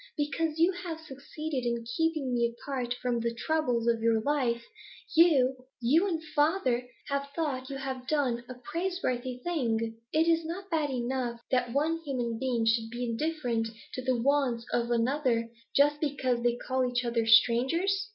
Because you have succeeded in keeping me apart from the troubles of your life, you you and father have thought you had done a praiseworthy thing. Is it not bad enough that one human being should be indifferent to the wants of another, just because they call each other strangers?